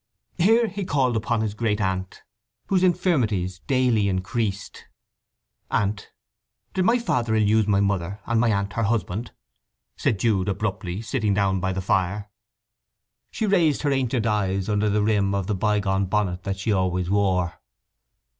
Here he called upon his great aunt, whose infirmities daily increased. "Aunt—did my father ill use my mother, and my aunt her husband?" said Jude abruptly, sitting down by the fire. She raised her ancient eyes under the rim of the by gone bonnet that she always wore.